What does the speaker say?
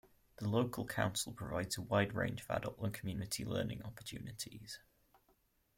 The local Council provides a wide range of adult and community learning opportunities.